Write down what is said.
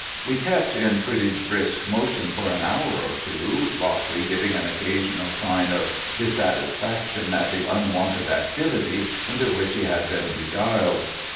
We kept in pretty brisk motion for an hour or two, Lockley giving an occasional sign of dissatisfaction at the unwonted activity into which he had been beguiled.